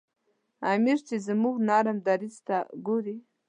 امیر چې زموږ نرم دریځ ته ګوري.